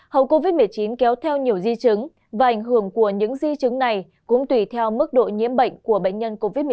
hậu covid một mươi chín kéo theo nhiều di chứng và ảnh hưởng của những di chứng này cũng tùy theo mức độ nhiễm bệnh của bệnh nhân covid một mươi chín